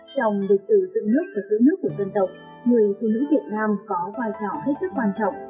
trong lịch sử dựng nước và giữ nước của dân tộc người phụ nữ việt nam có vai trò hết sức quan trọng